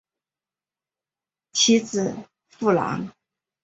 其子苻朗。